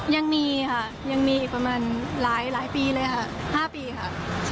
ยังมีค่ะยังมีอีกประมาณหลายปีเลยค่ะ๕ปีค่ะ